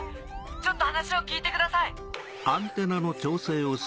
ちょっと話を聞いてください！